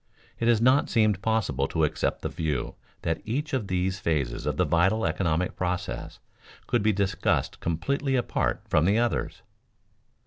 It has not seemed possible to accept the view that each of these phases of the vital economic process could be discussed completely apart from the others.